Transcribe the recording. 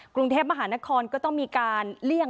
กรุงเทพมหานครก็ต้องมีการเลี่ยง